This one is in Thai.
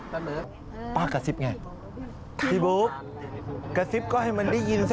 ๙๓หนึ่งป้ากระซิบไงพี่บู๊กระซิบก็ให้มันได้ยิน